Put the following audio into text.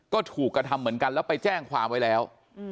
ก็ถูกกระทำเหมือนกันแล้วไปแจ้งความไว้แล้ว